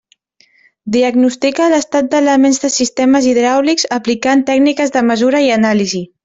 Diagnostica l'estat d'elements de sistemes hidràulics, aplicant tècniques de mesura i anàlisi.